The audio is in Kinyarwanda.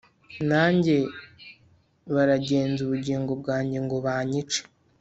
nanjye baragenza ubugingo bwanjye ngo banyice